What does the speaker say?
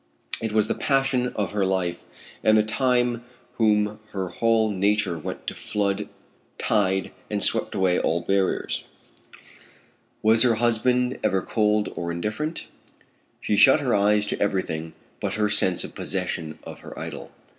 It was the passion of her life, the time when her whole nature went to flood tide and swept away all barriers. Was her husband ever cold or indifferent? She shut her eyes to everything but her sense of possession of her idol.